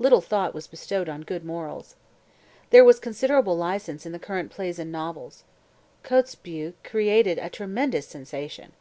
Little thought was bestowed on good morals. There was considerable license in the current plays and novels. Kotzebue created a tremendous sensation.